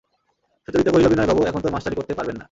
সুচরিতা কহিল, বিনয়বাবু এখন তোর মাস্টারি করতে পারবেন না।